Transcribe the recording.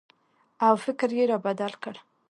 او فکر یې را بدل کړ